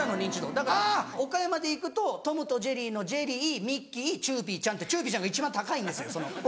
だから岡山で行くと『トムとジェリー』のジェリーミッキーチューピーちゃんってチューピーちゃんが一番高いんですよ。